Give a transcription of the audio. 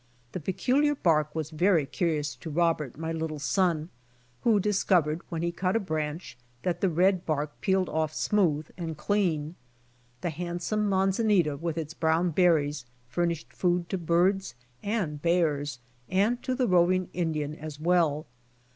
The peculiar bark was very curious to Robert, my little son, who dis covered when he cut a branch that the red bark peeled off smooth and clean. The handsome man zanita with its brown berries furnished food to birds and bears and to the roving Indian as well.